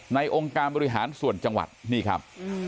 องค์การบริหารส่วนจังหวัดนี่ครับ